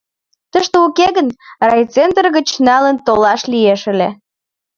— Тыште уке гын, райцентр гыч налын толаш лиеш ыле!